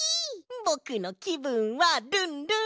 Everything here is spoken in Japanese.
ぼくのきぶんはルンルン！